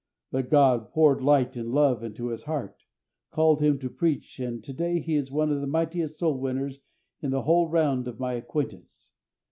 But God poured light and love into his heart, called him to preach, and to day he is one of the mightiest soul winners in the whole round of my acquaintance.